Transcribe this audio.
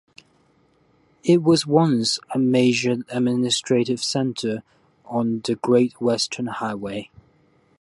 It was once a major administrative centre on the Great Western Highway.